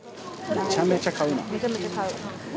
めちゃめちゃ買う。